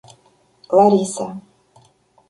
Лариса